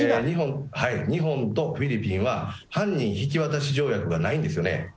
日本とフィリピンは、犯人引き渡し条約がないんですよね。